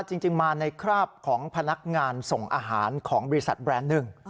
จริงมาในคราบของพนักงานส่งอาหารของบริษัทแบรนด์หนึ่ง